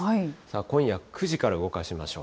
今夜９時から動かしましょう。